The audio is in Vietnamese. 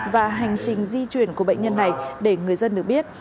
và hành trình di chuyển của bệnh nhân này để người dân được biết